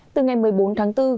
từ ngày một mươi bốn tháng bốn